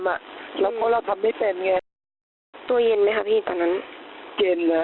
เพราะเราทำไม่เป็นไงตัวเย็นไหมครับพี่ตอนนั้นเย็นอ่ะ